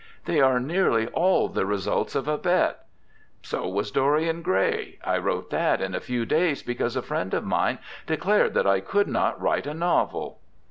They are nearly all the results of a bet. So was Dorian Gray I wrote that in a few days because a friend of mine declared that I could not write a novel.